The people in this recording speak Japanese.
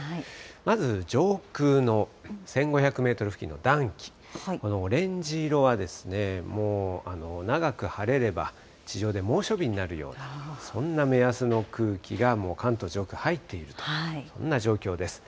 まず上空の１５００メートル付近の暖気、このオレンジ色は、もう長く晴れれば、地上で猛暑日になるような、そんな目安の空気がもう関東上空入っていると、そんな状況です。